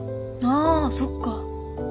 あそっか。